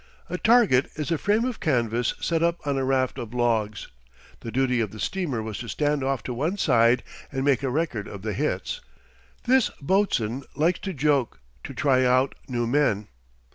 A target is a frame of canvas set up on a raft of logs. The duty of the steamer was to stand off to one side and make a record of the hits. This boatswain likes to joke, to try out new men.